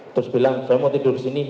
terus bilang saya mau tidur disini